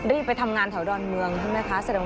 ไปทำงานแถวดอนเมืองใช่ไหมคะ